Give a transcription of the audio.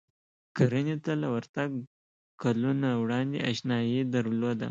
کرنې ته له ورتګ کلونه وړاندې اشنايي درلوده.